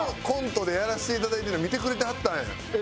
コントでやらせていただいてるの見てくれてはったんや。